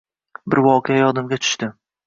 Bir voqea yodimga tushdi